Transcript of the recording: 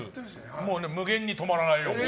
もう、無限に止まらないよ。